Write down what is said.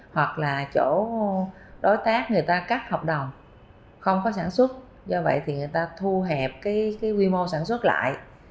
hoặc là chỗ đối tác người ta cắt hợp đồng không có sản xuất do vậy thì người ta thu hẹp cái quy mô sản xuất lại